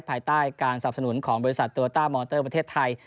ภายใต้การสับสนุนของบริษัทโตต้ามอเตอร์ประเทศไทย